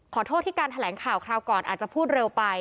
ขอโทษที่การแถลงข่าวคราวก่อนอาจจะพูดเร็วไป